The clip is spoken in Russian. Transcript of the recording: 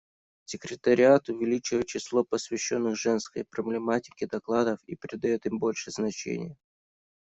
Секретариат увеличивает число посвященных женской проблематике докладов и придает им больше значения.